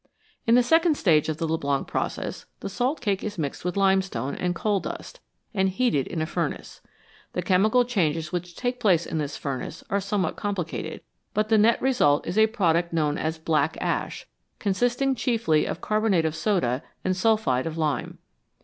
In the second stage of the Leblanc process the salt cake is mixed with limestone and coal dust, and heated in a furnace. The chemical changes which take place in this furnace are somewhat complicated, but the net result is a product known as " black ash," consisting chiefly of carbonate of soda and sulphide of lime.